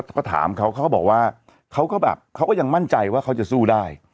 เขาก็ถามเขาเขาก็บอกว่าเขาก็แบบเขาก็ยังมั่นใจว่าเขาจะสู้ได้